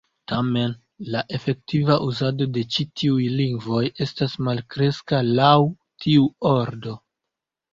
Tamen, la efektiva uzado de ĉi tiuj lingvoj estas malkreska laŭ tiu ordo.